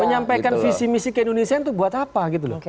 menyampaikan visi misi ke indonesia itu buat apa gitu loh